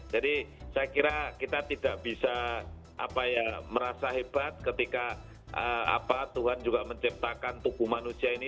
saya kira kita tidak bisa merasa hebat ketika tuhan juga menciptakan tubuh manusia ini